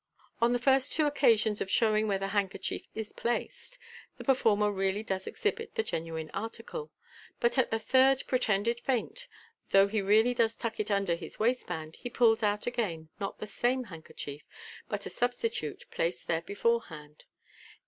On the first two occasions of showing where the handkerchief is placed, the performer really does exhibit the genuine article j but at the third pretended feint, though he really does tuck it under his waistband, he pulls out again, not the same handkerchief, but a sub stitute, placed there beforehand.